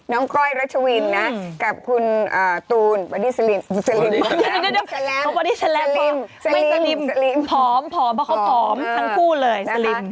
น้องก้อยรัชวินน้าบุกกุนตูนพอเขาผอมทั้งคู่เลย